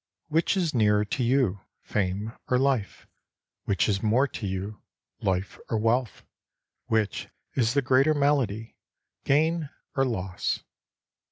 Which is nearer to you, fame or life ? Which is more to you, life or wealth ? Which is the greater malady, gain or loss